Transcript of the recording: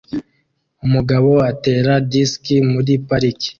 Umugabo atera disiki muri parike